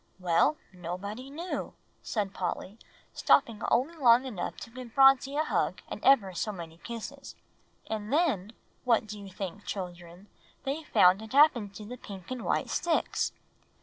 ] "Well, nobody knew," said Polly, stopping only long enough to give Phronsie a hug and ever so many kisses. "And then, what do you think, children, they found had happened to the pink and white sticks?"